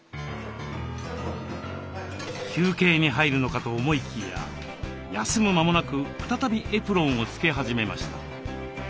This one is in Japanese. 休憩に入るのかと思いきや休む間もなく再びエプロンを着け始めました。